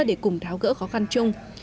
để cùng tháo gỡ khó khăn chung